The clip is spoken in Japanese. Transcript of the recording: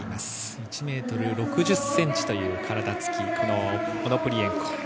１ｍ６０ｃｍという体つきオノプリエンコ。